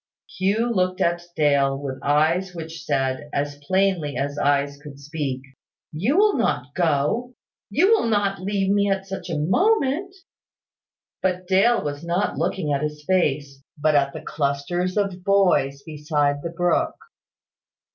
Hugh looked at Dale, with eyes which said, as plainly as eyes could speak, "You will not go you will not leave me at such a moment?" But Dale was not looking at his face, but at the clusters of boys beside the brook.